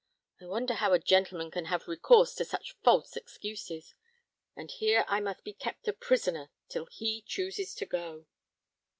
I wonder how a gentleman can have recourse to such false excuses, and here I must be kept a prisoner till he chooses to go."